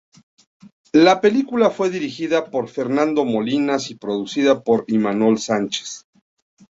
La película fue dirigida por Fernando Molinas y producida por Imanol Sánchez.